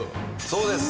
そうです。